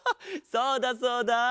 そうだそうだ。